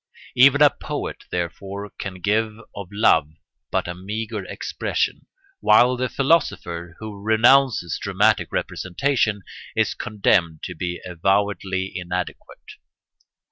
Even a poet, therefore, can give of love but a meagre expression, while the philosopher, who renounces dramatic representation, is condemned to be avowedly inadequate.